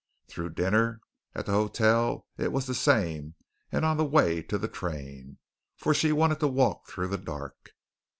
Through dinner at the hotel it was the same and on the way to the train, for she wanted to walk through the dark.